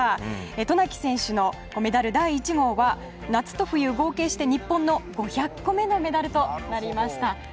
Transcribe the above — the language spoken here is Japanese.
渡名喜選手のメダル第１号は夏と冬合計して日本の５００個目のメダルとなりました。